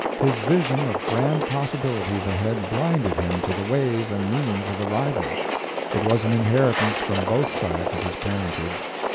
His vision of grand possibilities ahead blinded him to the ways and means of arrival. It was an inheritance from both sides of his parentage.